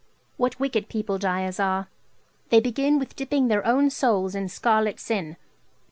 What wicked people dyers are. They begin with dipping their own souls in scarlet sin.